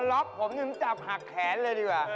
ถ้าล๊อคผมหนึ่งจับหักแขนเลยดีกว่า